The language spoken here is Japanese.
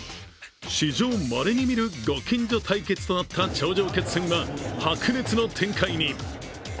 史上まれに見るご近所対決となった頂上決戦は白熱の展開に。